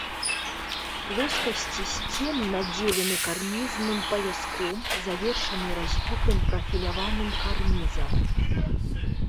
Плоскасці сцен надзелены карнізным паяском, завершаны развітым прафіляваным карнізам.